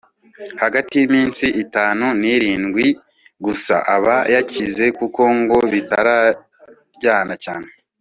hagati y’iminsi itanu n’irindwi gusa aba yakize kuko ngo bitaryana cyane